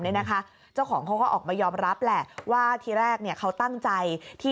นะคะเจ้าของก็ออกมายอมรับแหละว่าที่แรกโดยเขาตั้งใจที่